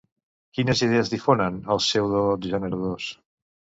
Quines idees difonen els pseudo-generadors?